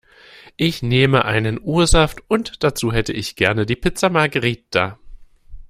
Ich nehme einen O-Saft und dazu hätte ich gerne die Pizza Margherita.